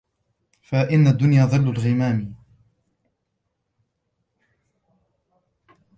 فَإِنَّ الدُّنْيَا ظِلُّ الْغَمَامِ